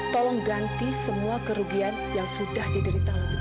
tolong ganti semua kerugian yang sudah diderita lo butik ini